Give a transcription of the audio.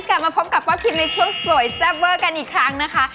กลับมาพบกับป้าพิมในช่วงสวยแซ่บเวอร์กันอีกครั้งนะคะ